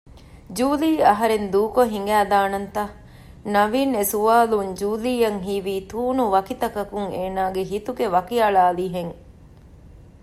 ޖޫލީ އަހަރެން ދޫކޮށް ހިނގައިދާނަންތަ؟ ނަވީންގެ އެސުވާލުން ޖޫލީއަށް ހީވީ ތޫނުވަކިތަކަކުން އޭނާގެ ހިތުގައި ވަކިއަޅާލިހެން